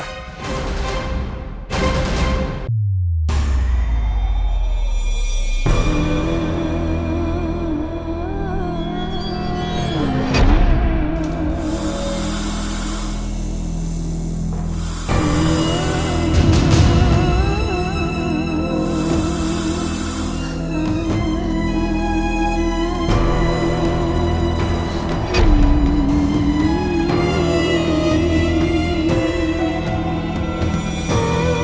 aku mau membunuh lo